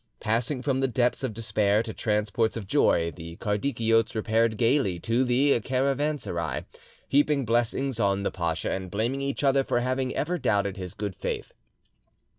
Passing from the depths of despair to transports of joy, the Kardikiotes repaired gaily to the caravanserai, heaping blessings on the pacha, and blaming each other for having ever doubted his good faith.